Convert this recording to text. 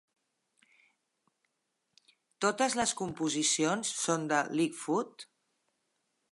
Totes les composicions són de Lightfoot.